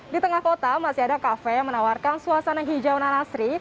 di tengah kota masih ada kafe yang menawarkan suasana hijau nanasri